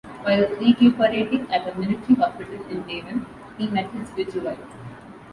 While recuperating at a military hospital in Devon, he met his future wife.